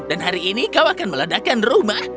dan hari ini kau akan meledakan rumah